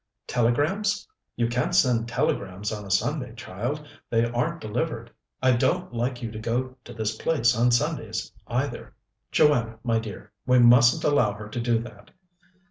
"Telegrams? You can't send telegrams on a Sunday, child; they aren't delivered. I don't like you to go to this place on Sundays, either. Joanna, my dear, we mustn't allow her to do that."